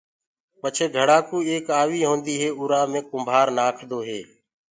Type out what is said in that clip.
پچهي گھڙآ ڪو ايڪ آوي هوندي هي اُرآ مي ڪُمڀآر نآکدو هي۔